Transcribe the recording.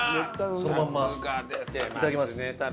そのままいただきます。